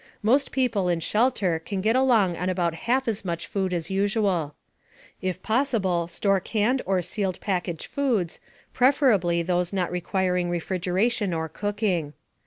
Most people in shelter can get along on about half as much food as usual. If possible store canned or sealed package foods, preferably those not requiring refrigeration or cooking.